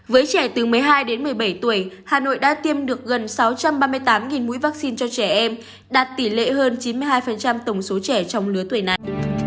với trẻ từ một mươi hai đến một mươi bảy tuổi hà nội đã tiêm được gần sáu trăm ba mươi tám mũi vaccine cho trẻ em đạt tỷ lệ hơn chín mươi hai tổng số trẻ trong lứa tuổi này